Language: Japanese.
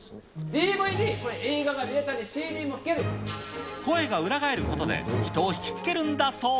ＤＶＤ、これ、声が裏返ることで人を引き付けるんだそう。